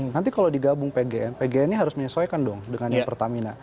nanti kalau digabung pgn pgn ini harus menyesuaikan dong dengan yang pertamina